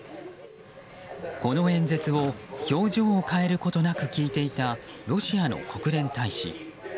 この演説を表情を変えることなく聞いていたロシアの国連大使。